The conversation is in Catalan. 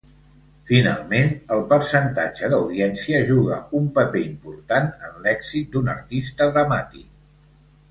Finalment, el percentatge d'audiència juga un paper important en l'èxit d'un artista dramàtic.